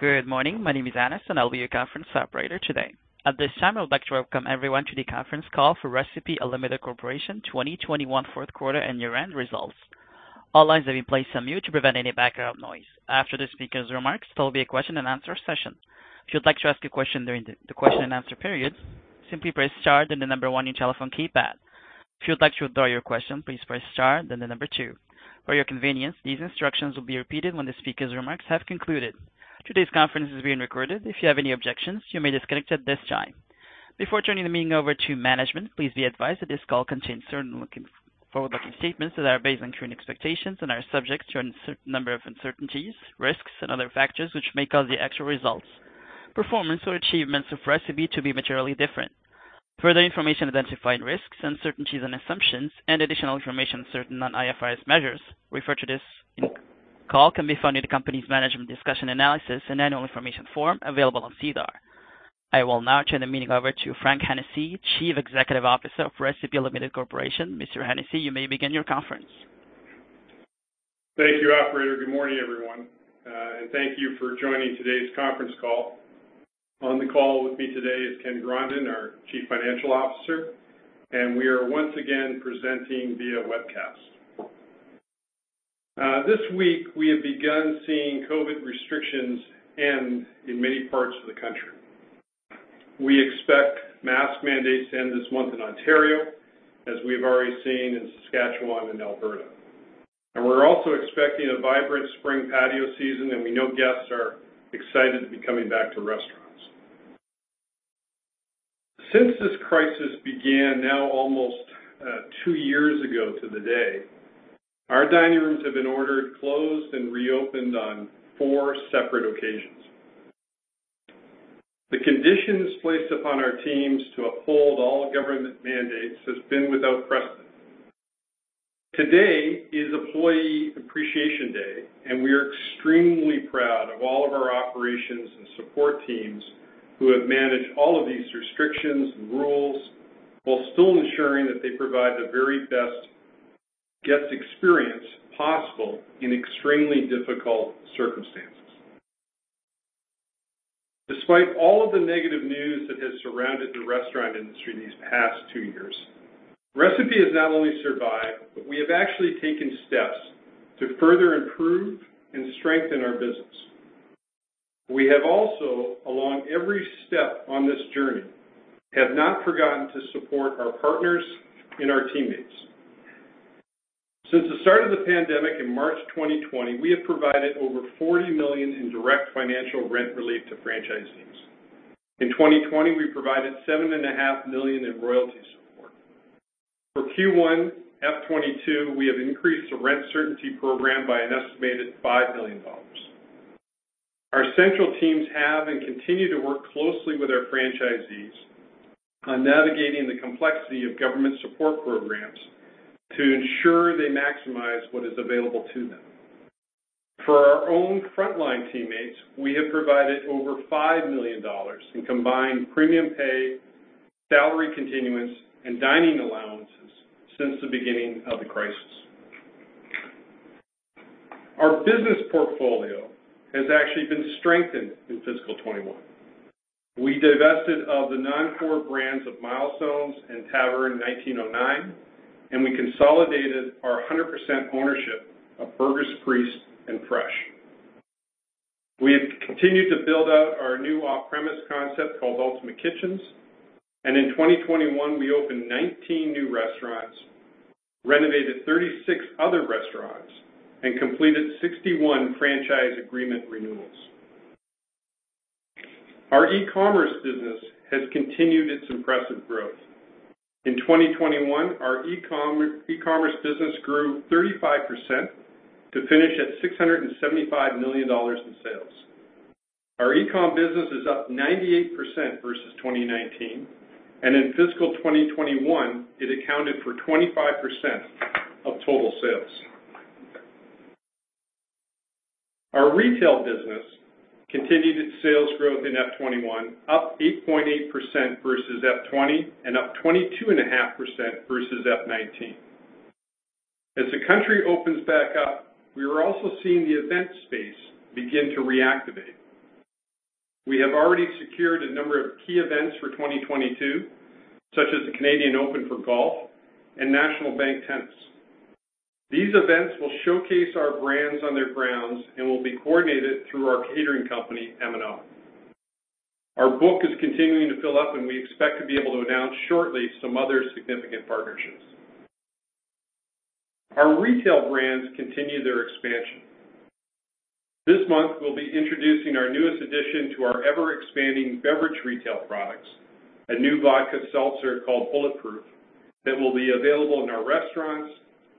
Good morning. My name is Anas. I'll be your conference operator today. At this time, I would like to welcome everyone to the conference call for Recipe Unlimited Corporation 2021 fourth quarter and year-end results. All lines have been placed on mute to prevent any background noise. After the speakers' remarks, there will be a question and answer session. If you'd like to ask a question during the question and answer period, simply press star then the number one on your telephone keypad. If you'd like to withdraw your question, please press star then the number two. For your convenience, these instructions will be repeated when the speakers' remarks have concluded. Today's conference is being recorded. If you have any objections, you may disconnect at this time. Before turning the meeting over to management, please be advised that this call contains certain forward-looking statements that are based on current expectations and are subject to a number of uncertainties, risks, and other factors which may cause the actual results, performance, or achievements of Recipe to be materially different. Further information identifying risks, uncertainties, and assumptions, and additional information on certain non-IFRS measures referred to in this call can be found in the company's management discussion and analysis and annual information form available on SEDAR. I will now turn the meeting over to Frank Hennessey, Chief Executive Officer of Recipe Unlimited Corporation. Mr. Hennessey, you may begin your conference. Thank you, operator. Good morning, everyone, and thank you for joining today's conference call. On the call with me today is Ken Grondin, our Chief Financial Officer, and we are once again presenting via webcast. This week, we have begun seeing COVID restrictions end in many parts of the country. We expect mask mandates to end this month in Ontario, as we've already seen in Saskatchewan and Alberta. We're also expecting a vibrant spring patio season, and we know guests are excited to be coming back to restaurants. Since this crisis began now almost two years ago to the day, our dining rooms have been ordered closed and reopened on four separate occasions. The conditions placed upon our teams to uphold all government mandates has been without precedent. Today is Employee Appreciation Day, we are extremely proud of all of our operations and support teams who have managed all of these restrictions and rules while still ensuring that they provide the very best guest experience possible in extremely difficult circumstances. Despite all of the negative news that has surrounded the restaurant industry these past two years, Recipe has not only survived, but we have actually taken steps to further improve and strengthen our business. We have also, along every step on this journey, have not forgotten to support our partners and our teammates. Since the start of the pandemic in March 2020, we have provided over 40 million in direct financial rent relief to franchisees. In 2020, we provided 7.5 million in royalty support. For Q1 F 2022, we have increased the rent certainty program by an estimated 5 million dollars. Our central teams have and continue to work closely with our franchisees on navigating the complexity of government support programs to ensure they maximize what is available to them. For our own frontline teammates, we have provided over 5 million dollars in combined premium pay, salary continuance, and dining allowances since the beginning of the crisis. Our business portfolio has actually been strengthened in fiscal 2021. We divested of the non-core brands of Milestones and 1909 Taverne Moderne, and we consolidated our 100% ownership of The Burger's Priest and Fresh. We have continued to build out our new off-premise concept called Ultimate Kitchens, and in 2021, we opened 19 new restaurants, renovated 36 other restaurants, and completed 61 franchise agreement renewals. Our e-commerce business has continued its impressive growth. In 2021, our e-commerce business grew 35% to finish at 675 million dollars in sales. Our e-com business is up 98% versus 2019, and in fiscal 2021, it accounted for 25% of total sales. Our retail business continued its sales growth in F 2021, up 8.8% versus F 2020, and up 22.5% versus F 2019. As the country opens back up, we are also seeing the event space begin to reactivate. We have already secured a number of key events for 2022, such as the Canadian Open for golf and National Bank Open. These events will showcase our brands on their grounds and will be coordinated through our catering company, M&L. Our book is continuing to fill up, and we expect to be able to announce shortly some other significant partnerships. Our retail brands continue their expansion. This month, we'll be introducing our newest addition to our ever-expanding beverage retail products, a new vodka seltzer called Bulletproof that will be available in our restaurants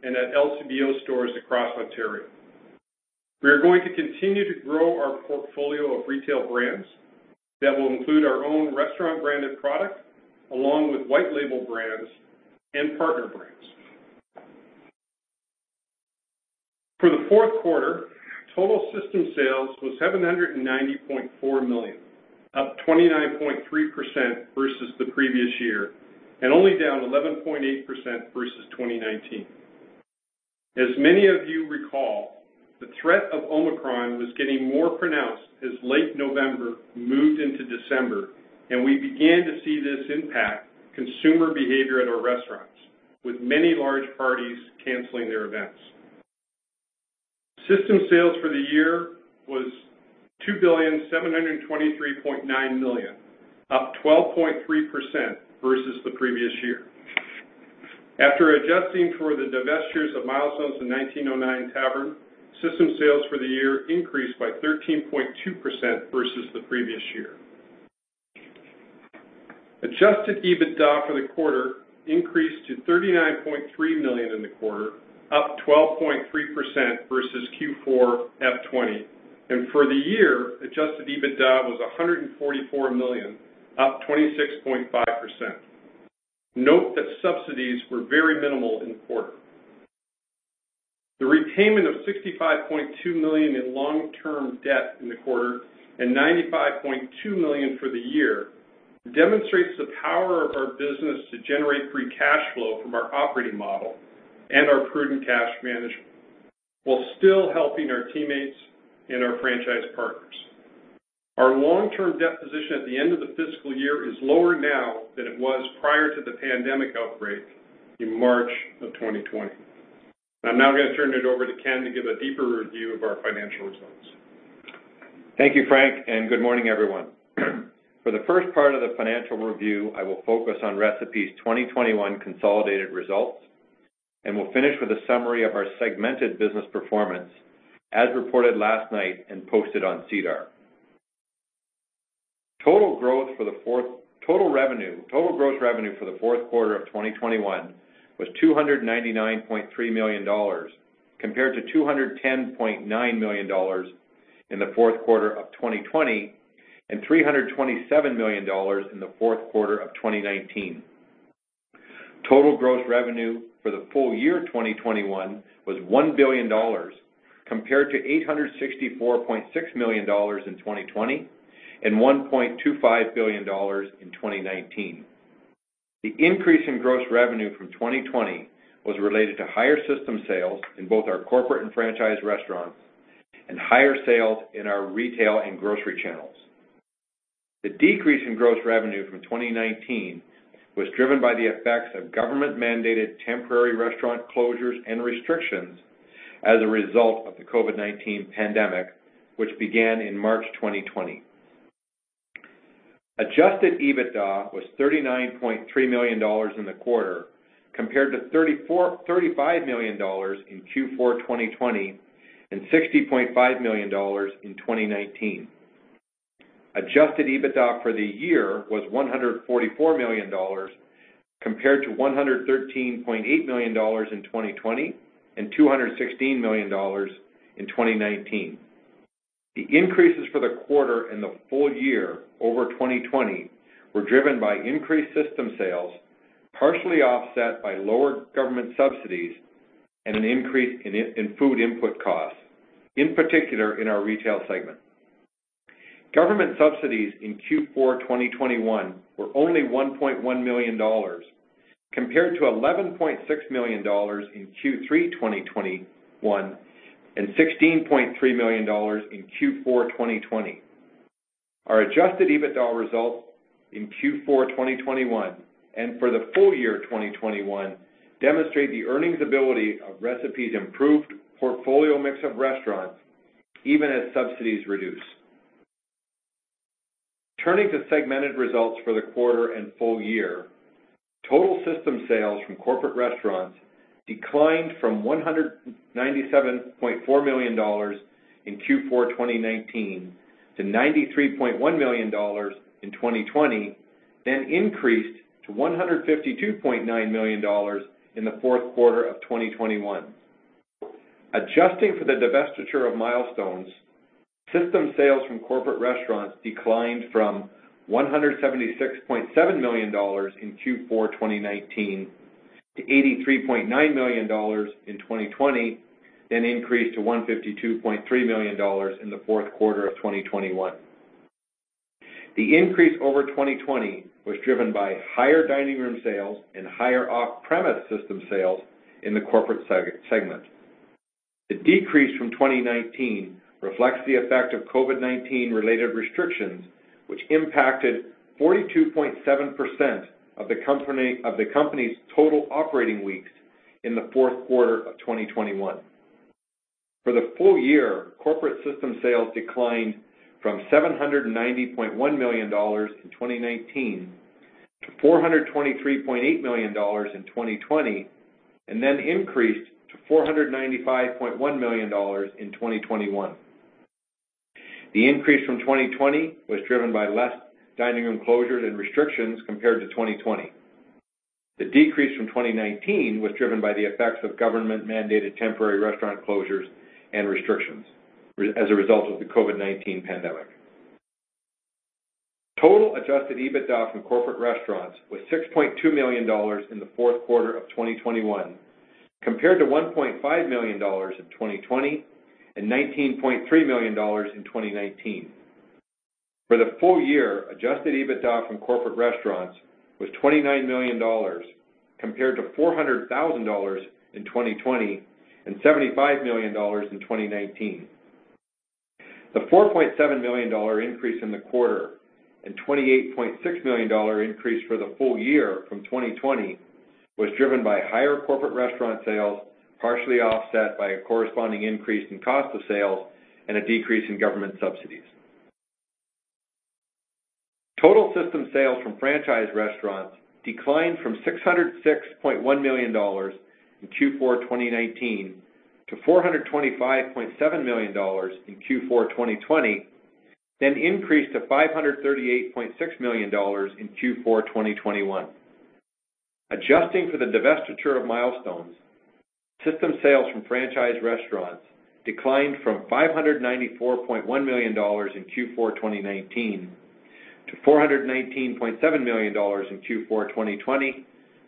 and at LCBO stores across Ontario. We are going to continue to grow our portfolio of retail brands that will include our own restaurant branded products, along with white label brands and partner brands. For the fourth quarter, total system sales was 790.4 million, up 29.3% versus the previous year, only down 11.8% versus 2019. As many of you recall, the threat of Omicron was getting more pronounced as late November moved into December, we began to see this impact consumer behavior at our restaurants, with many large parties canceling their events. System sales for the year was 2,723,900,000, up 12.3% versus the previous year. After adjusting for the divestitures of Milestones and 1909 Tavern, system sales for the year increased by 13.2% versus the previous year. Adjusted EBITDA for the quarter increased to 39.3 million in the quarter, up 12.3% versus Q4 F20. For the year, adjusted EBITDA was 144 million, up 26.5%. Note that subsidies were very minimal in the quarter. The repayment of 65.2 million in long-term debt in the quarter, and 95.2 million for the year, demonstrates the power of our business to generate free cash flow from our operating model and our prudent cash management, while still helping our teammates and our franchise partners. Our long-term debt position at the end of the fiscal year is lower now than it was prior to the pandemic outbreak in March of 2020. I'm now going to turn it over to Ken to give a deeper review of our financial results. Thank you, Frank, and good morning, everyone. For the first part of the financial review, I will focus on Recipe's 2021 consolidated results, and we'll finish with a summary of our segmented business performance, as reported last night and posted on SEDAR. Total gross revenue for the fourth quarter of 2021 was 299.3 million dollars, compared to 210.9 million dollars in the fourth quarter of 2020, and 327 million dollars in the fourth quarter of 2019. Total gross revenue for the full year 2021 was 1 billion dollars, compared to 864.6 million dollars in 2020, and 1.25 billion dollars in 2019. The increase in gross revenue from 2020 was related to higher system sales in both our corporate and franchise restaurants, and higher sales in our retail and grocery channels. The decrease in gross revenue from 2019 was driven by the effects of government-mandated temporary restaurant closures and restrictions as a result of the COVID-19 pandemic, which began in March 2020. Adjusted EBITDA was 39.3 million dollars in the quarter, compared to 35 million dollars in Q4 2020, and 60.5 million dollars in 2019. Adjusted EBITDA for the year was 144 million dollars, compared to 113.8 million dollars in 2020, and 216 million dollars in 2019. The increases for the quarter and the full year over 2020 were driven by increased system sales, partially offset by lower government subsidies and an increase in food input costs, in particular in our retail segment. Government subsidies in Q4 2021 were only 1.1 million dollars, compared to 11.6 million dollars in Q3 2021, and 16.3 million dollars in Q4 2020. Our adjusted EBITDA results in Q4 2021, and for the full year 2021, demonstrate the earnings ability of Recipe's improved portfolio mix of restaurants even as subsidies reduce. Turning to segmented results for the quarter and full year, total system sales from corporate restaurants declined from 197.4 million dollars in Q4 2019 to 93.1 million dollars in 2020, then increased to 152.9 million dollars in the fourth quarter of 2021. Adjusting for the divestiture of Milestones, system sales from corporate restaurants declined from 176.7 million dollars in Q4 2019 to 83.9 million dollars in 2020, then increased to 152.3 million dollars in the fourth quarter of 2021. The increase over 2020 was driven by higher dining room sales and higher off-premise system sales in the corporate segment. The decrease from 2019 reflects the effect of COVID-19 related restrictions, which impacted 42.7% of the company's total operating weeks in the fourth quarter of 2021. For the full year, corporate system sales declined from 790.1 million dollars in 2019 to 423.8 million dollars in 2020, and then increased to 495.1 million dollars in 2021. The increase from 2020 was driven by less dining room closures and restrictions compared to 2020. The decrease from 2019 was driven by the effects of government-mandated temporary restaurant closures and restrictions as a result of the COVID-19 pandemic. Total adjusted EBITDA from corporate restaurants was 6.2 million dollars in the fourth quarter of 2021, compared to 1.5 million dollars in 2020 and 19.3 million dollars in 2019. For the full year, adjusted EBITDA from corporate restaurants was 29 million dollars compared to 400,000 dollars in 2020 and 75 million dollars in 2019. The 4.7 million dollar increase in the quarter and 28.6 million dollar increase for the full year from 2020 was driven by higher corporate restaurant sales, partially offset by a corresponding increase in cost of sales and a decrease in government subsidies. Total system sales from franchise restaurants declined from 606.1 million dollars in Q4 2019 to 425.7 million dollars in Q4 2020, increased to 538.6 million dollars in Q4 2021. Adjusting for the divestiture of Milestones, system sales from franchise restaurants declined from 594.1 million dollars in Q4 2019 to 419.7 million dollars in Q4 2020,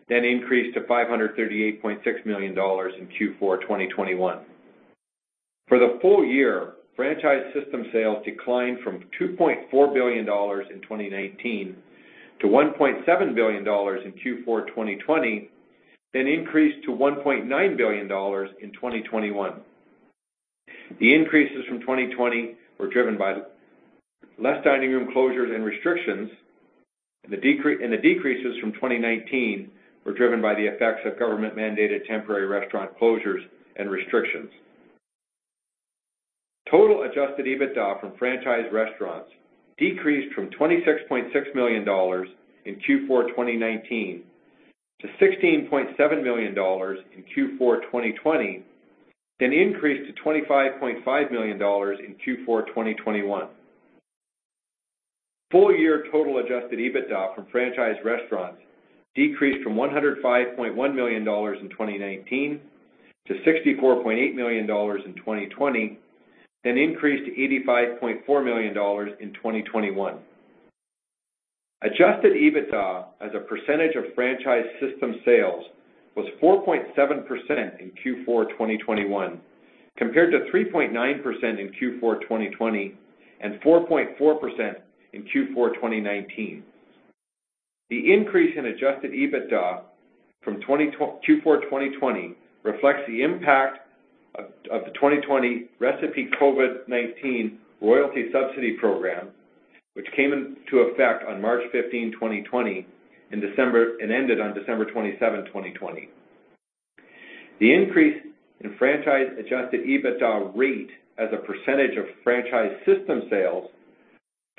increased to 538.6 million dollars in Q4 2021. For the full year, franchise system sales declined from 2.4 billion dollars in 2019 to 1.7 billion dollars in 2020, increased to 1.9 billion dollars in 2021. The increases from 2020 were driven by less dining room closures and restrictions, and the decreases from 2019 were driven by the effects of government-mandated temporary restaurant closures and restrictions. Total adjusted EBITDA from franchise restaurants decreased from 26.6 million dollars in Q4 2019 to 16.7 million dollars in Q4 2020, then increased to 25.5 million dollars in Q4 2021. Full-year total adjusted EBITDA from franchise restaurants decreased from 105.1 million dollars in 2019 to 64.8 million dollars in 2020, then increased to 85.4 million dollars in 2021. Adjusted EBITDA as a percentage of franchise system sales was 4.7% in Q4 2021, compared to 3.9% in Q4 2020 and 4.4% in Q4 2019. The increase in adjusted EBITDA from Q4 2020 reflects the impact of the 2020 Recipe COVID-19 royalty subsidy program, which came into effect on March 15, 2020, and ended on December 27, 2020. The increase in franchise adjusted EBITDA rate as a percentage of franchise system sales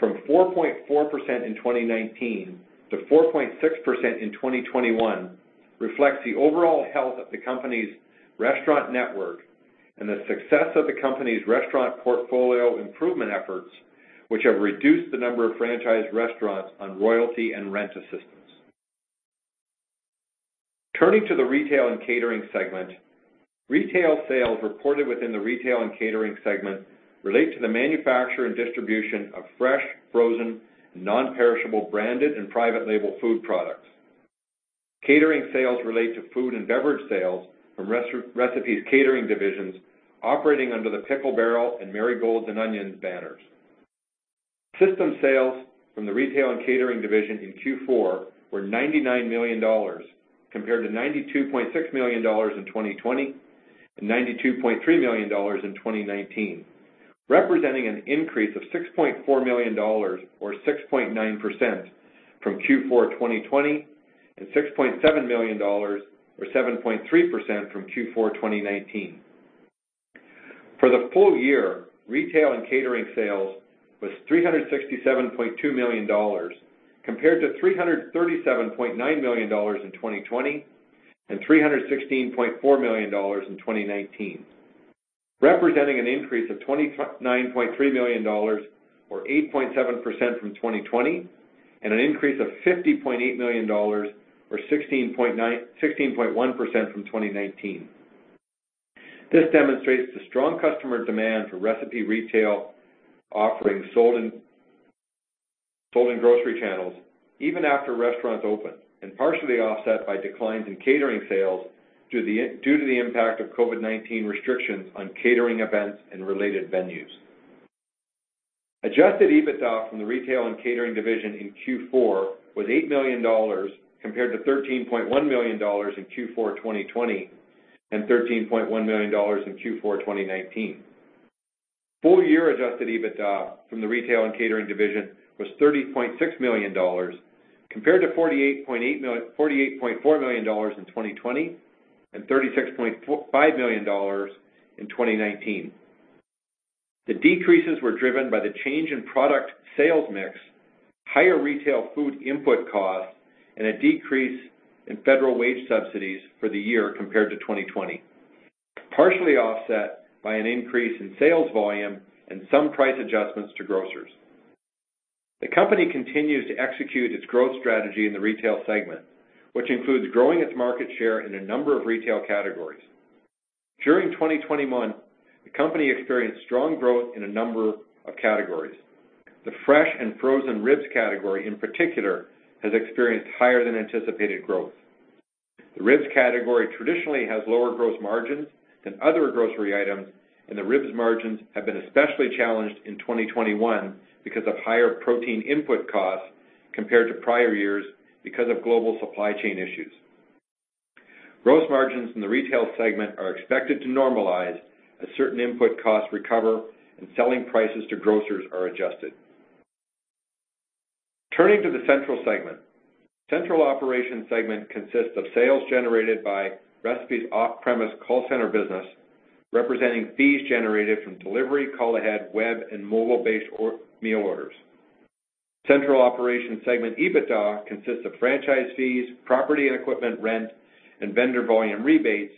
from 4.4% in 2019 to 4.6% in 2021 reflects the overall health of the company's restaurant network and the success of the company's restaurant portfolio improvement efforts, which have reduced the number of franchise restaurants on royalty and rent assistance. Turning to the retail and catering segment, retail sales reported within the retail and catering segment relate to the manufacture and distribution of fresh, frozen, and non-perishable branded and private label food products. Catering sales relate to food and beverage sales from Recipe's catering divisions operating under the Pickle Barrel and Marigolds & Onions banners. System sales from the retail and catering division in Q4 were 99 million dollars, compared to 92.6 million dollars in 2020 and 92.3 million dollars in 2019, representing an increase of 6.4 million dollars or 6.9% from Q4 2020 and 6.7 million dollars or 7.3% from Q4 2019. For the full year, retail and catering sales was 367.2 million dollars compared to 337.9 million dollars in 2020 and 316.4 million dollars in 2019, representing an increase of 29.3 million dollars or 8.7% from 2020 and an increase of 50.8 million dollars or 16.1% from 2019. This demonstrates the strong customer demand for Recipe retail offerings sold in grocery channels even after restaurants opened and partially offset by declines in catering sales due to the impact of COVID-19 restrictions on catering events and related venues. Adjusted EBITDA from the retail and catering division in Q4 was 8 million dollars, compared to 13.1 million dollars in Q4 2020 and 13.1 million dollars in Q4 2019. Full-year adjusted EBITDA from the retail and catering division was 30.6 million dollars compared to 48.4 million dollars in 2020 and 36.5 million dollars in 2019. The decreases were driven by the change in product sales mix, higher retail food input costs, and a decrease in federal wage subsidies for the year compared to 2020, partially offset by an increase in sales volume and some price adjustments to grocers. The company continues to execute its growth strategy in the retail segment, which includes growing its market share in a number of retail categories. During 2021, the company experienced strong growth in a number of categories. The fresh and frozen ribs category, in particular, has experienced higher than anticipated growth. The ribs category traditionally has lower gross margins than other grocery items, and the ribs margins have been especially challenged in 2021 because of higher protein input costs compared to prior years because of global supply chain issues. Gross margins in the retail segment are expected to normalize as certain input costs recover and selling prices to grocers are adjusted. Turning to the Central segment. Central Operations Segment consists of sales generated by Recipe's off-premise call center business, representing fees generated from delivery, call ahead, web, and mobile-based meal orders. Central Operations Segment EBITDA consists of franchise fees, property and equipment rent, and vendor volume rebates,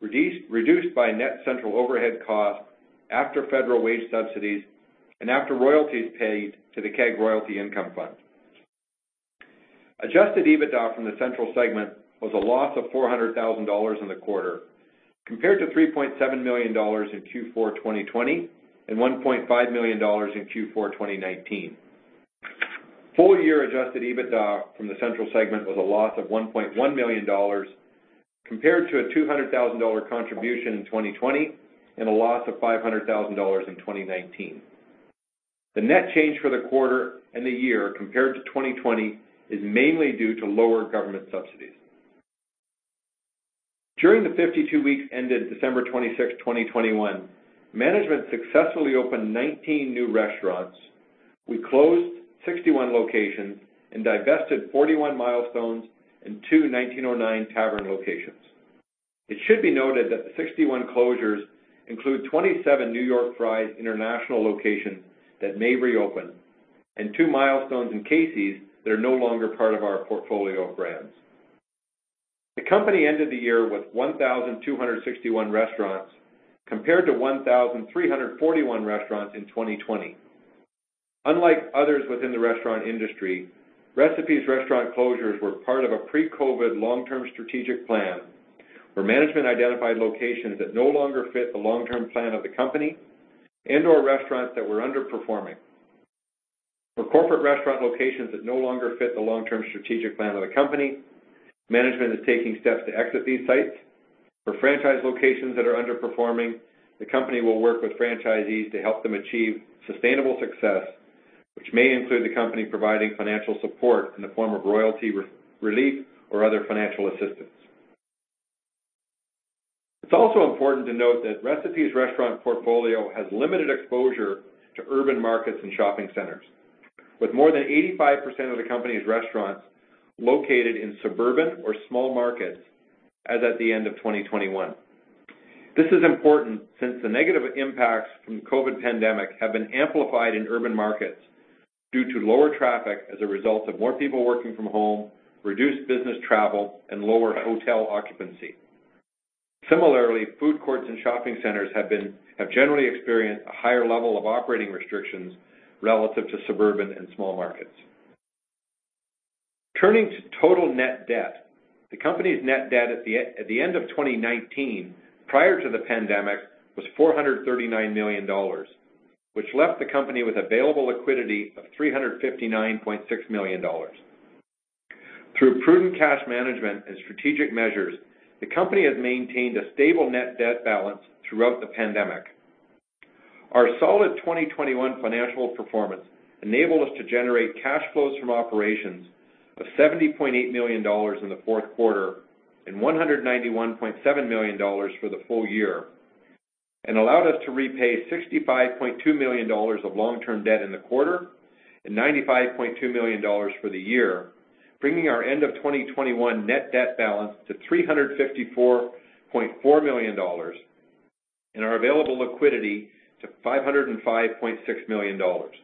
reduced by net Central overhead costs after federal wage subsidies and after royalties paid to the Cara Royalty Income Fund. Adjusted EBITDA from the Central segment was a loss of 400,000 dollars in the quarter, compared to 3.7 million dollars in Q4 2020 and CAD 1.5 million in Q4 2019. Full year adjusted EBITDA from the Central segment was a loss of 1.1 million dollars, compared to a 200,000 dollar contribution in 2020 and a loss of 500,000 dollars in 2019. The net change for the quarter and the year compared to 2020 is mainly due to lower government subsidies. During the 52 weeks ended December 26, 2021, management successfully opened 19 new restaurants. We closed 61 locations and divested 41 Milestones and two 1909 Tavern locations. It should be noted that the 61 closures include 27 New York Fries International locations that may reopen and two Milestones and Casey's that are no longer part of our portfolio of brands. The company ended the year with 1,261 restaurants, compared to 1,341 restaurants in 2020. Unlike others within the restaurant industry, Recipe's restaurant closures were part of a pre-COVID long-term strategic plan where management identified locations that no longer fit the long-term plan of the company and/or restaurants that were underperforming. For corporate restaurant locations that no longer fit the long-term strategic plan of the company, management is taking steps to exit these sites. For franchise locations that are underperforming, the company will work with franchisees to help them achieve sustainable success, which may include the company providing financial support in the form of royalty relief or other financial assistance. It's also important to note that Recipe's restaurant portfolio has limited exposure to urban markets and shopping centers, with more than 85% of the company's restaurants located in suburban or small markets as at the end of 2021. This is important since the negative impacts from the COVID pandemic have been amplified in urban markets due to lower traffic as a result of more people working from home, reduced business travel, and lower hotel occupancy. Similarly, food courts and shopping centers have generally experienced a higher level of operating restrictions relative to suburban and small markets. Turning to total net debt. The company's net debt at the end of 2019, prior to the pandemic, was 439 million dollars, which left the company with available liquidity of 359.6 million dollars. Through prudent cash management and strategic measures, the company has maintained a stable net debt balance throughout the pandemic. Our solid 2021 financial performance enabled us to generate cash flows from operations of 70.8 million dollars in the fourth quarter and 191.7 million dollars for the full year, and allowed us to repay 65.2 million dollars of long-term debt in the quarter and 95.2 million dollars for the year, bringing our end of 2021 net debt balance to 354.4 million dollars and our available liquidity to 505.6 million dollars.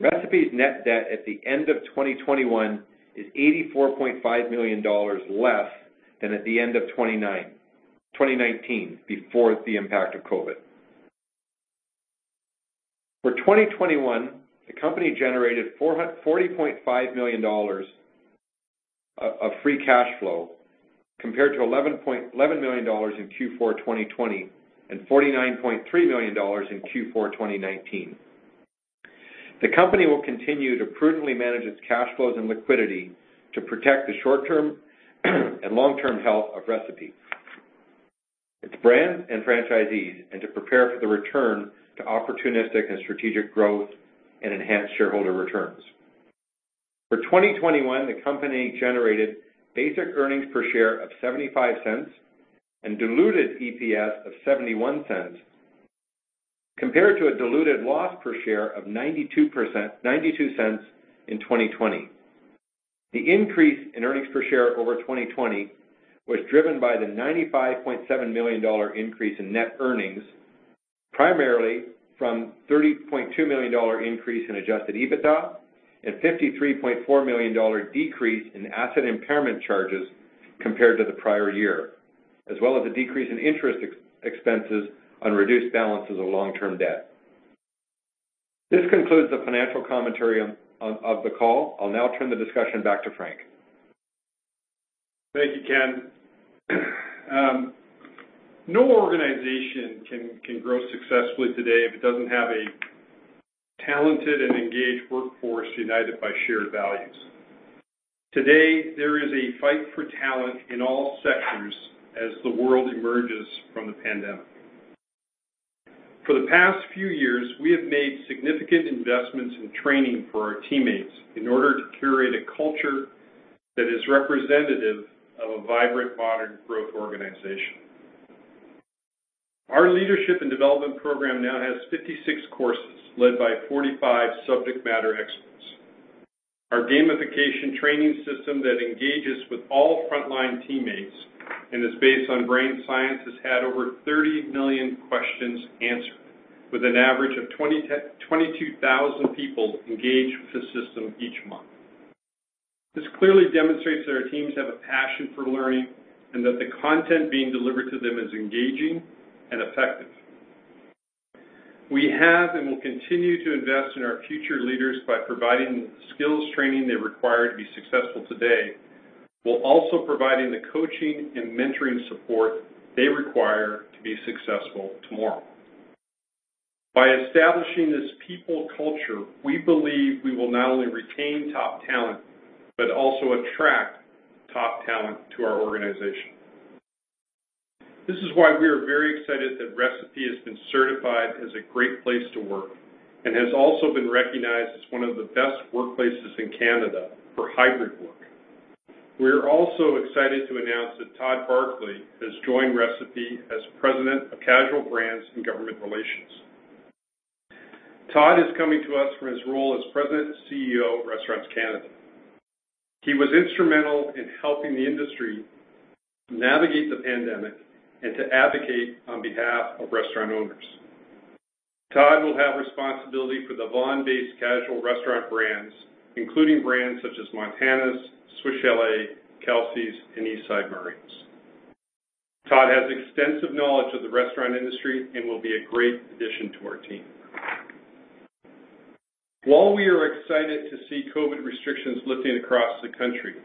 Recipe's net debt at the end of 2021 is 84.5 million dollars less than at the end of 2019, before the impact of COVID. For Q4 2021, the company generated 40.5 million dollars of free cash flow, compared to 11 million dollars in Q4 2020 and CAD 49.3 million in Q4 2019. The company will continue to prudently manage its cash flows and liquidity to protect the short-term and long-term health of Recipe, its brands and franchisees, and to prepare for the return to opportunistic and strategic growth and enhanced shareholder returns. For 2021, the company generated basic earnings per share of 0.75 and diluted EPS of 0.71, compared to a diluted loss per share of 0.92 in 2020. The increase in earnings per share over 2020 was driven by the 95.7 million dollar increase in net earnings, primarily from 30.2 million dollar increase in adjusted EBITDA and 53.4 million dollar decrease in asset impairment charges compared to the prior year, as well as a decrease in interest expenses on reduced balances of long-term debt. This concludes the financial commentary of the call. I'll now turn the discussion back to Frank. Thank you, Ken. No organization can grow successfully today if it doesn't have a talented and engaged workforce united by shared values. Today, there is a fight for talent in all sectors as the world emerges from the pandemic. For the past few years, we have made significant investments in training for our teammates in order to curate a culture that is representative of a vibrant, modern growth organization. Our leadership and development program now has 56 courses led by 45 subject matter experts. Our gamification training system that engages with all frontline teammates and is based on brain science, has had over 30 million questions answered with an average of 22,000 people engaged with the system each month. This clearly demonstrates that our teams have a passion for learning and that the content being delivered to them is engaging and effective. We have and will continue to invest in our future leaders by providing the skills training they require to be successful today, while also providing the coaching and mentoring support they require to be successful tomorrow. By establishing this people culture, we believe we will not only retain top talent, but also attract top talent to our organization. This is why we are very excited that Recipe has been certified as a great place to work and has also been recognized as one of the best workplaces in Canada for hybrid work. We are also excited to announce that Todd Barclay has joined Recipe as President of Casual Brands and Government Relations. Todd is coming to us from his role as President and CEO of Restaurants Canada. He was instrumental in helping the industry navigate the pandemic and to advocate on behalf of restaurant owners. Todd will have responsibility for the Vaughan-based casual restaurant brands, including brands such as Montana's, Swiss Chalet, Kelsey's, and East Side Mario's. Todd has extensive knowledge of the restaurant industry and will be a great addition to our team. While we are excited to see COVID restrictions lifting across the country,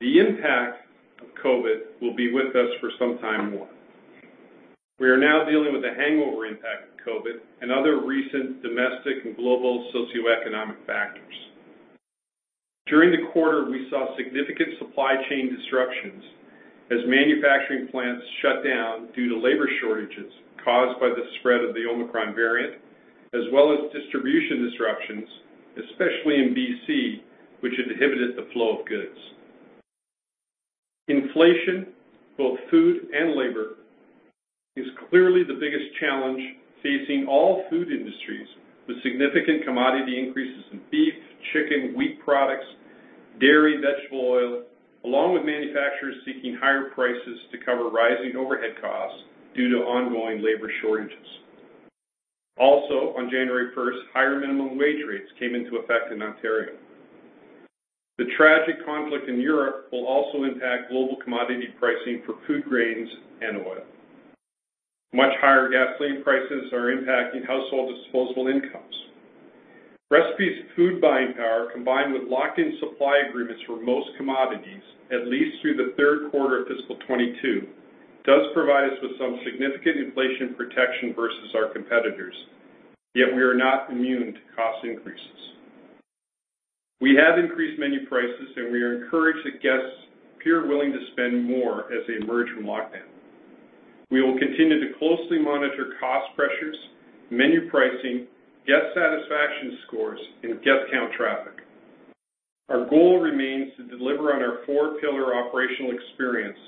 the impact of COVID will be with us for some time more. We are now dealing with the hangover impact of COVID and other recent domestic and global socioeconomic factors. During the quarter, we saw significant supply chain disruptions as manufacturing plants shut down due to labor shortages caused by the spread of the Omicron variant, as well as distribution disruptions, especially in B.C., which inhibited the flow of goods. Inflation, both food and labor, is clearly the biggest challenge facing all food industries, with significant commodity increases in beef, chicken, wheat products, dairy, vegetable oil, along with manufacturers seeking higher prices to cover rising overhead costs due to ongoing labor shortages. On January 1st, higher minimum wage rates came into effect in Ontario. The tragic conflict in Europe will also impact global commodity pricing for food grains and oil. Much higher gasoline prices are impacting household disposable incomes. Recipe's food buying power, combined with locked-in supply agreements for most commodities, at least through the third quarter of fiscal 2022, does provide us with some significant inflation protection versus our competitors, yet we are not immune to cost increases. We have increased menu prices, and we are encouraged that guests appear willing to spend more as they emerge from lockdown. We will continue to closely monitor cost pressures, menu pricing, guest satisfaction scores, and guest count traffic. Our goal remains to deliver on our four-pillar operational experience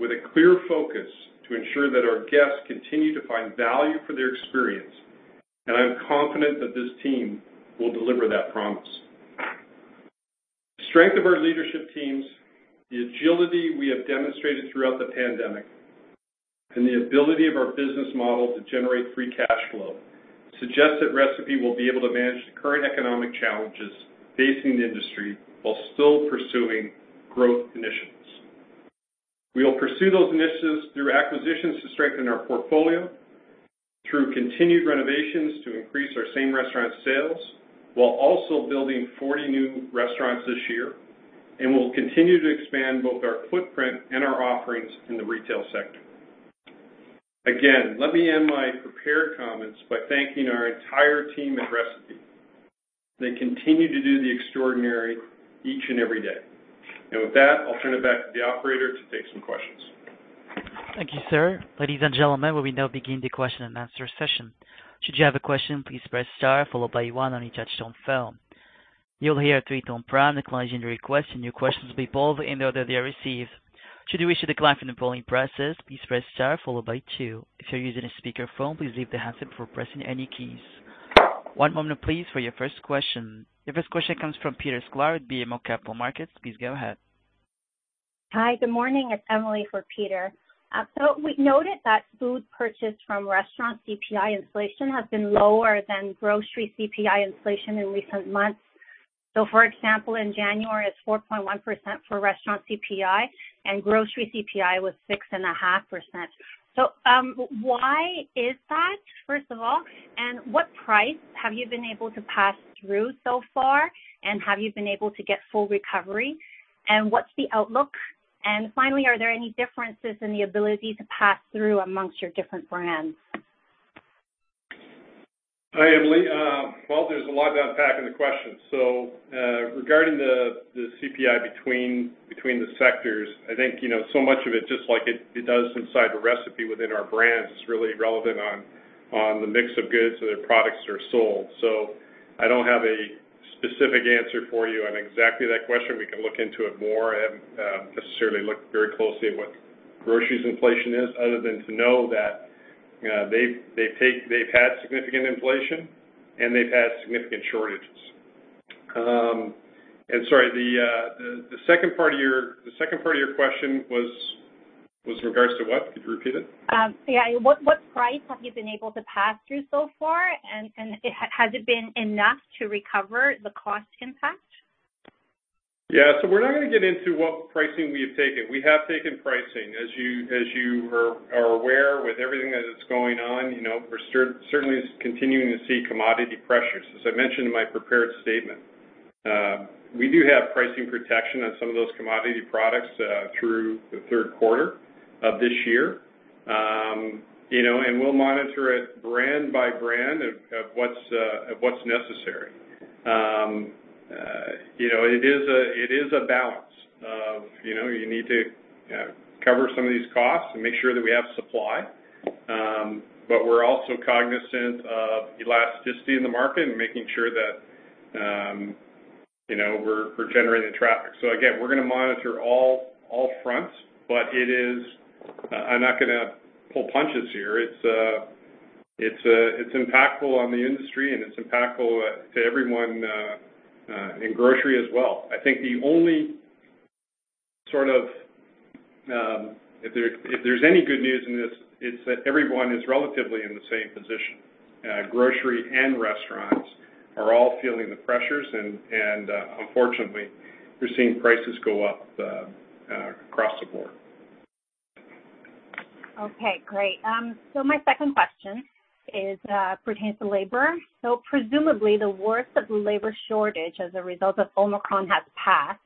with a clear focus to ensure that our guests continue to find value for their experience, and I'm confident that this team will deliver that promise. The strength of our leadership teams, the agility we have demonstrated throughout the pandemic, and the ability of our business model to generate free cash flow suggests that Recipe Unlimited will be able to manage the current economic challenges facing the industry while still pursuing growth initiatives. We will pursue those initiatives through acquisitions to strengthen our portfolio, through continued renovations to increase our same-restaurant sales, while also building 40 new restaurants this year. We'll continue to expand both our footprint and our offerings in the retail sector. Again, let me end my prepared comments by thanking our entire team at Recipe. They continue to do the extraordinary each and every day. With that, I'll turn it back to the operator to take some questions. Thank you, sir. Ladies and gentlemen, we will now begin the question and answer session. Should you have a question, please press star followed by one on your touchtone phone. You will hear a three-tone prompt acknowledging the request, and your question will be pulled in the order they are received. Should you wish to decline from the polling process, please press star followed by two. If you're using a speakerphone, please leave the handset before pressing any keys. One moment, please, for your first question. Your first question comes from Peter Sklar at BMO Capital Markets. Please go ahead. Hi. Good morning. It's Emily for Peter. We noted that food purchased from restaurant CPI inflation has been lower than grocery CPI inflation in recent months. For example, in January, it's 4.1% for restaurant CPI and grocery CPI was 6.5%. Why is that, first of all, what price have you been able to pass through so far, have you been able to get full recovery? What's the outlook? Finally, are there any differences in the ability to pass through amongst your different brands? Hi, Emily. Well, there's a lot to unpack in the question. Regarding the CPI between the sectors, I think so much of it, just like it does inside the Recipe within our brands, is really relevant on the mix of goods that our products are sold. I don't have a specific answer for you on exactly that question. We can look into it more. I haven't necessarily looked very closely at what groceries inflation is, other than to know that they've had significant inflation, and they've had significant shortages. Sorry, the second part of your question was in regards to what? Could you repeat it? Yeah. What price have you been able to pass through so far? Has it been enough to recover the cost impact? Yeah. We're not going to get into what pricing we have taken. We have taken pricing. As you are aware, with everything that is going on, we're certainly continuing to see commodity pressures, as I mentioned in my prepared statement. We do have pricing protection on some of those commodity products through the third quarter of this year. We'll monitor it brand by brand of what's necessary. It is a balance. You need to cover some of these costs and make sure that we have supply. We're also cognizant of elasticity in the market and making sure that we're generating traffic. Again, we're going to monitor all fronts, but I'm not going to pull punches here. It's impactful on the industry, and it's impactful to everyone in grocery as well. I think if there's any good news in this, it's that everyone is relatively in the same position. Grocery and restaurants are all feeling the pressures. Unfortunately, we're seeing prices go up across the board. Okay, great. My second question pertains to labor. Presumably, the worst of the labor shortage as a result of Omicron has passed.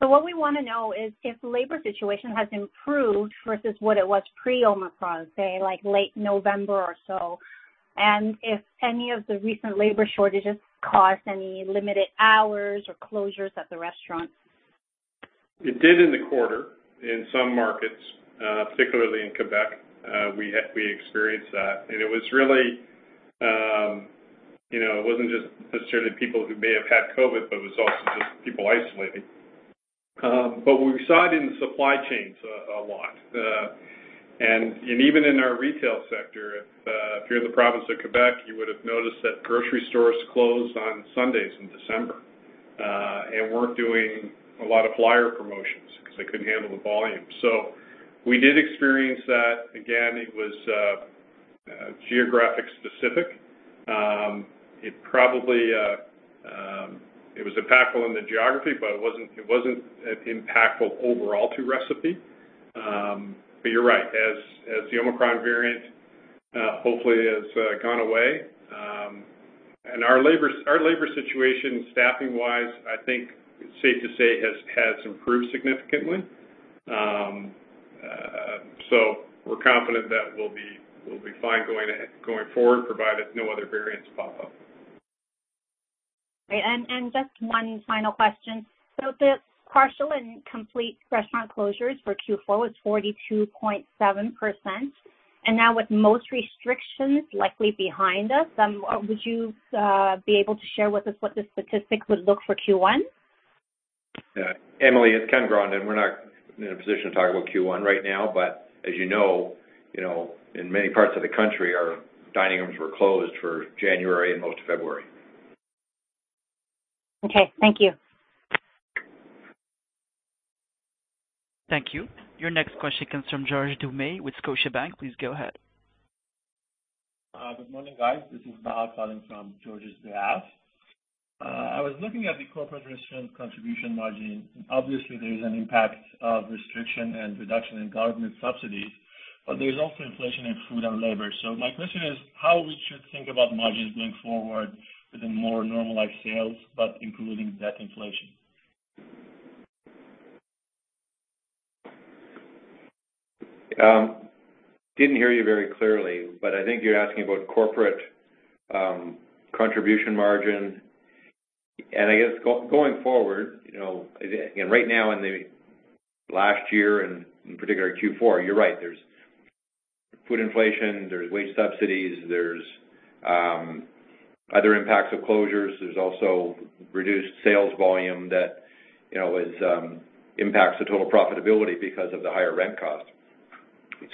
What we want to know is if the labor situation has improved versus what it was pre-Omicron, say, late November or so, and if any of the recent labor shortages caused any limited hours or closures at the restaurants? It did in the quarter in some markets. Particularly in Quebec, we experienced that. It wasn't just necessarily people who may have had COVID, but it was also just people isolating. We saw it in the supply chains a lot. Even in our retail sector, if you're in the province of Quebec, you would have noticed that grocery stores closed on Sundays in December and weren't doing a lot of flyer promotions because they couldn't handle the volume. We did experience that. Again, it was geographic specific. It was impactful in the geography, but it wasn't impactful overall to Recipe. You're right, as the Omicron variant hopefully has gone away, and our labor situation, staffing-wise, I think it's safe to say, has improved significantly. We're confident that we'll be fine going forward, provided no other variants pop up. Right. Just one final question. The partial and complete restaurant closures for Q4 was 42.7%. Now with most restrictions likely behind us, would you be able to share with us what the statistics would look for Q1? Emily, it's Ken Grondin. We're not in a position to talk about Q1 right now, but as you know, in many parts of the country, our dining rooms were closed for January and most of February. Okay. Thank you. Thank you. Your next question comes from George Doumet with Scotiabank. Please go ahead. Good morning, guys. This is Mahal calling from George's desk. I was looking at the corporate restaurant contribution margin. There is an impact of restriction and reduction in government subsidies. There is also inflation in food and labor. My question is, how we should think about margins going forward with the more normalized sales, including that inflation? I didn't hear you very clearly. I think you're asking about corporate contribution margin. I guess going forward, right now in the last year, and in particular Q4, you're right. There's food inflation, there's wage subsidies, there's other impacts of closures. There's also reduced sales volume that impacts the total profitability because of the higher rent cost.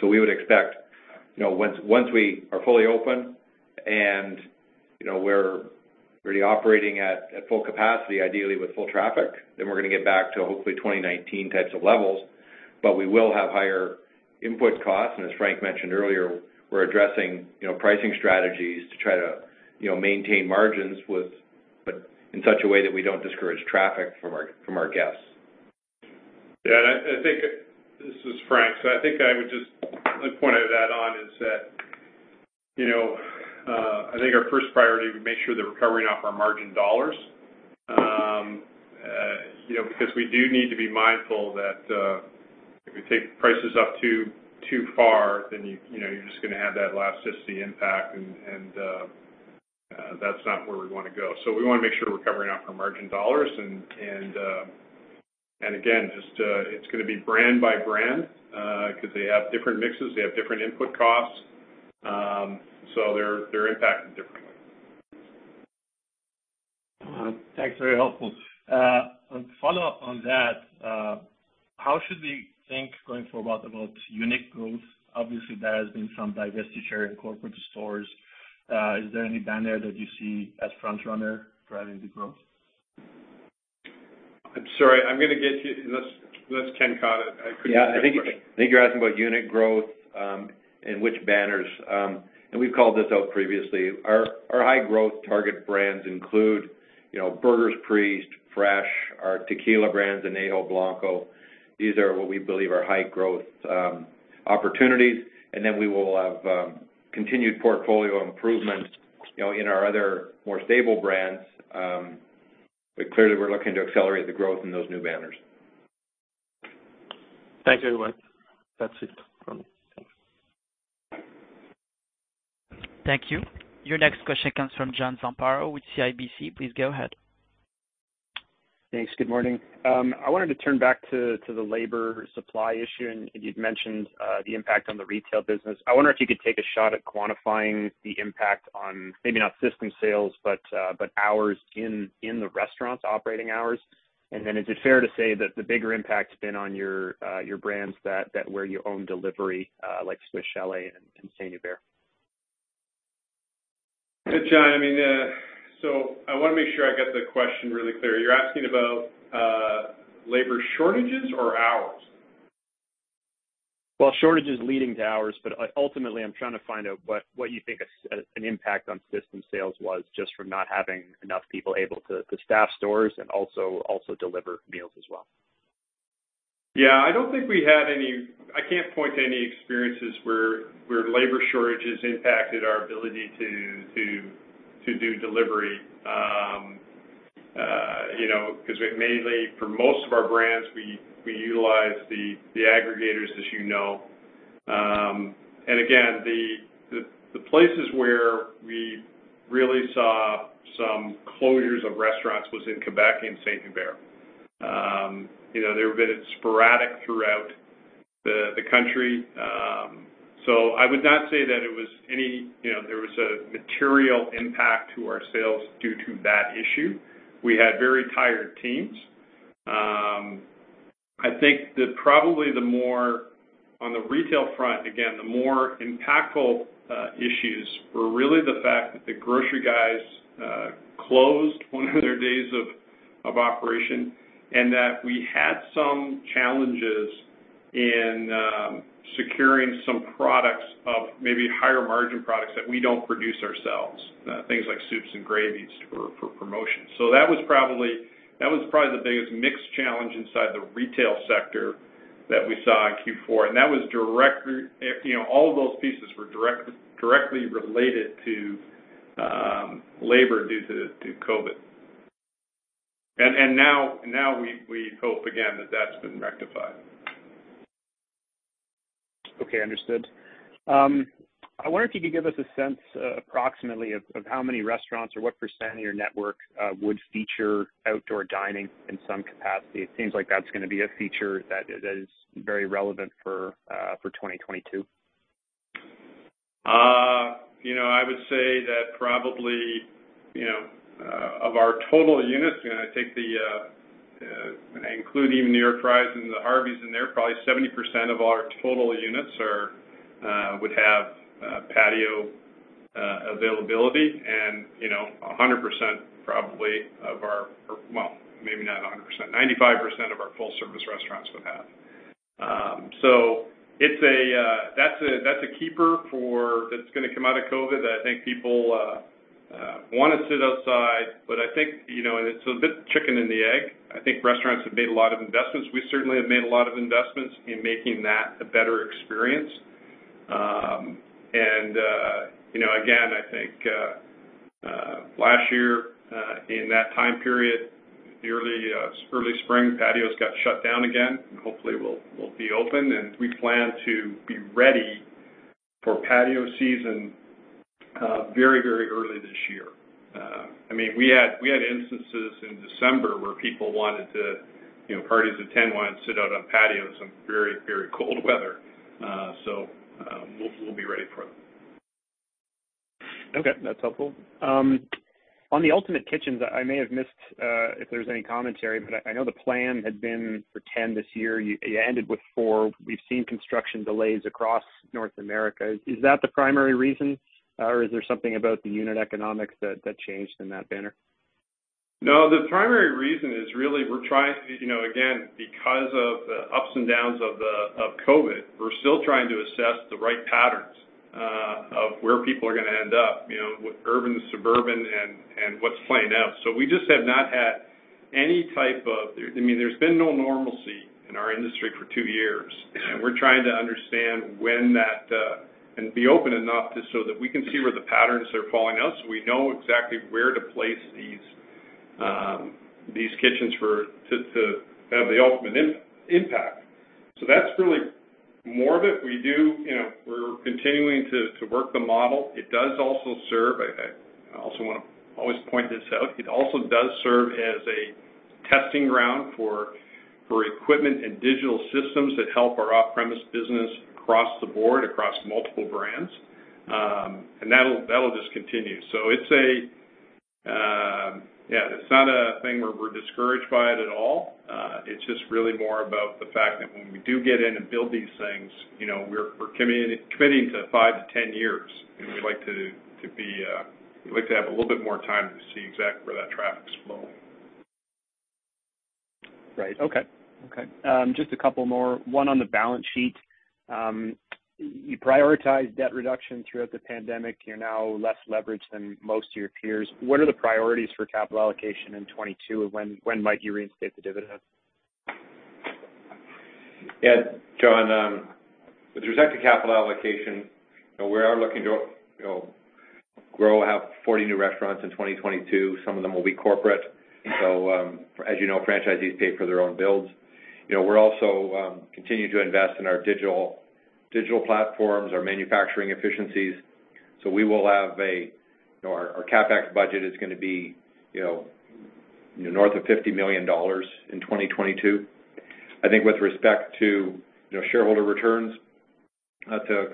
We would expect, once we are fully open and we're really operating at full capacity, ideally with full traffic, then we're going to get back to hopefully 2019 types of levels. We will have higher input costs, and as Frank mentioned earlier, we're addressing pricing strategies to try to maintain margins, but in such a way that we don't discourage traffic from our guests. Yeah. This is Frank. I think I would just point to that on is that I think our first priority would make sure that we're covering off our margin dollars. Because we do need to be mindful that if we take prices up too far, then you're just going to have that elasticity impact, and that's not where we want to go. We want to make sure we're covering our margin dollars, and again, it's going to be brand by brand, because they have different mixes, they have different input costs. They're impacted differently. Thanks. Very helpful. A follow-up on that, how should we think, going forward, about unit growth? Obviously, there has been some divestiture in corporate stores. Is there any banner that you see as front-runner driving the growth? I'm sorry, unless Ken caught it, I couldn't hear the question. Yeah, I think you're asking about unit growth, which banners. We've called this out previously. Our high growth target brands include The Burger's Priest, Fresh, our tequila brands, Añejo, Blanco. These are what we believe are high growth opportunities. We will have continued portfolio improvement in our other more stable brands. Clearly, we're looking to accelerate the growth in those new banners. Thanks, everyone. That's it from me. Thanks. Thank you. Your next question comes from John Zamparo with CIBC. Please go ahead. Thanks. Good morning. I wanted to turn back to the labor supply issue, and you'd mentioned the impact on the retail business. I wonder if you could take a shot at quantifying the impact on maybe not system sales, but hours in the restaurants, operating hours. Is it fair to say that the bigger impact's been on your brands where you own delivery, like Swiss Chalet and St-Hubert? John, I want to make sure I get the question really clear. You're asking about labor shortages or hours? Well, shortages leading to hours, but ultimately, I'm trying to find out what you think an impact on system sales was just from not having enough people able to staff stores and also deliver meals as well. Yeah, I can't point to any experiences where labor shortages impacted our ability to do delivery. Mainly for most of our brands, we utilize the aggregators, as you know. Again, the places where we really saw some closures of restaurants was in Quebec and St-Hubert. They've been sporadic throughout the country. I would not say that there was a material impact to our sales due to that issue. We had very tired teams. I think that probably on the retail front, again, the more impactful issues were really the fact that the grocery guys closed one of their days of operation, and that we had some challenges in securing some products of maybe higher margin products that we don't produce ourselves, things like soups and gravies for promotion. That was probably the biggest mix challenge inside the retail sector that we saw in Q4. All of those pieces were directly related to labor due to COVID. Now we hope again that that's been rectified. Okay, understood. I wonder if you could give us a sense approximately of how many restaurants or what percent of your network would feature outdoor dining in some capacity? It seems like that's going to be a feature that is very relevant for 2022. I would say that probably of our total units, and I include even New York Fries and the Harvey's in there, probably 70% of our total units would have patio availability and 95% of our full service restaurants would have. That's a keeper that's going to come out of COVID that I think people want to sit outside, but I think it's a bit chicken and the egg. I think restaurants have made a lot of investments. We certainly have made a lot of investments in making that a better experience. Again, I think last year, in that time period, the early spring, patios got shut down again. Hopefully, we'll be open and we plan to be ready for patio season very early this year. We had instances in December where parties of 10 wanted to sit out on patios in very cold weather. We'll be ready for them. Okay, that's helpful. On the Ultimate Kitchens, I may have missed if there's any commentary, but I know the plan had been for 10 this year. You ended with four. We've seen construction delays across North America. Is that the primary reason, or is there something about the unit economics that changed in that banner? The primary reason is really, again, because of the ups and downs of COVID, we're still trying to assess the right patterns of where people are going to end up, with urban, suburban, and what's planned out. There's been no normalcy in our industry for two years, we're trying to understand to be open enough just so that we can see where the patterns are falling out, so we know exactly where to place these kitchens to have the ultimate impact. That's really more of it. I'm continuing to work the model. I also want to always point this out, it also does serve as a testing ground for equipment and digital systems that help our off-premise business across the board, across multiple brands. That'll just continue. It's not a thing where we're discouraged by it at all. It's just really more about the fact that when we do get in and build these things, we're committing to 5-10 years, and we'd like to have a little bit more time to see exactly where that traffic's flowing. Right. Okay. Just a couple more, one on the balance sheet. You prioritize debt reduction throughout the pandemic. You are now less leveraged than most of your peers. What are the priorities for capital allocation in 2022, and when might you reinstate the dividend? Yeah. John, with respect to capital allocation, we are looking to grow, have 40 new restaurants in 2022. Some of them will be corporate. As you know, franchisees pay for their own builds. We're also continuing to invest in our digital platforms, our manufacturing efficiencies. Our CapEx budget is going to be north of 50 million dollars in 2022. I think with respect to shareholder returns, that's a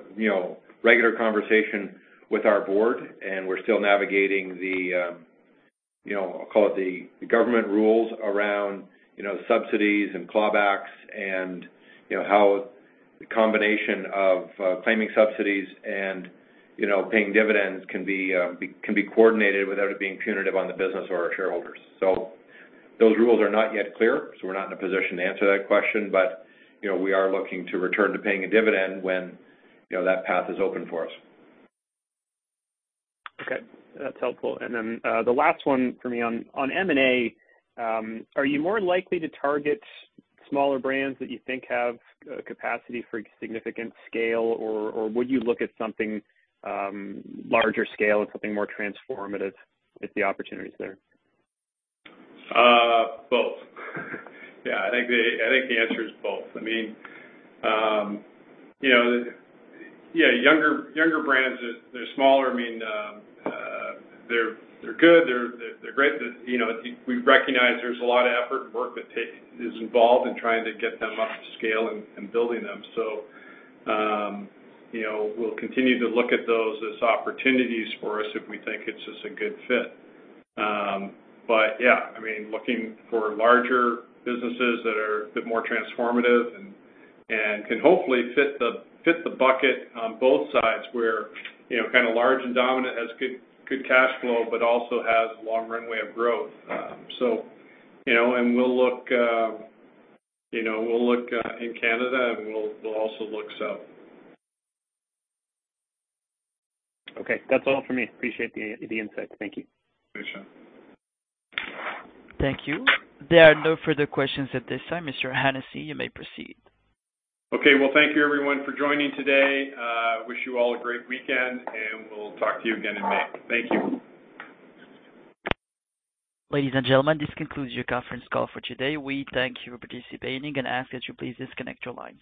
regular conversation with our board, and we're still navigating the, I'll call it, the government rules around subsidies and clawbacks and how the combination of claiming subsidies and paying dividends can be coordinated without it being punitive on the business or our shareholders. Those rules are not yet clear, so we're not in a position to answer that question. We are looking to return to paying a dividend when that path is open for us. Okay. That's helpful. Then, the last one for me. On M&A, are you more likely to target smaller brands that you think have capacity for significant scale, or would you look at something larger scale and something more transformative if the opportunity's there? Both. Yeah, I think the answer is both. Younger brands, they're smaller. They're good. They're great. We recognize there's a lot of effort and work that is involved in trying to get them up to scale and building them. We'll continue to look at those as opportunities for us if we think it's just a good fit. Yeah, looking for larger businesses that are a bit more transformative and can hopefully fit the bucket on both sides, where large and dominant has good cash flow, but also has a long runway of growth. We'll look in Canada, and we'll also look south. Okay. That's all from me. Appreciate the insight. Thank you. Thanks, John. Thank you. There are no further questions at this time. Mr. Hennessey, you may proceed. Okay. Well, thank you everyone for joining today. Wish you all a great weekend, and we'll talk to you again in May. Thank you. Ladies and gentlemen, this concludes your conference call for today. We thank you for participating and ask that you please disconnect your lines.